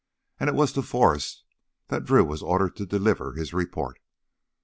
And it was to Forrest that Drew was ordered to deliver his report.